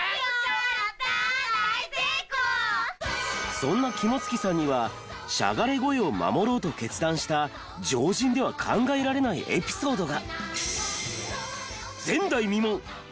そんな肝付さんにはしゃがれ声を守ろうと決断した常人では考えられないエピソードが。